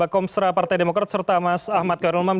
komstra partai demokrat serta mas ahmad karyulmam